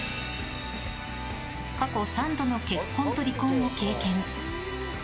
過去３度の結婚と離婚を経験。